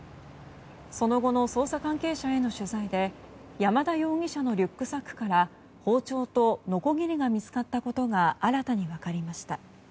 その後の捜査関係者への取材で山田容疑者のリュックサックから包丁とのこぎりが見つかったことが新たに分かりました。